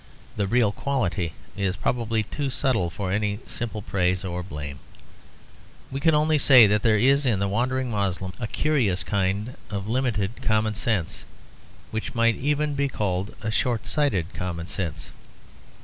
The real quality is probably too subtle for any simple praise or blame; we can only say that there is in the wandering Moslem a curious kind of limited common sense; which might even be called a short sighted common sense.